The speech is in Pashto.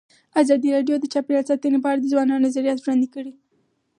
ازادي راډیو د چاپیریال ساتنه په اړه د ځوانانو نظریات وړاندې کړي.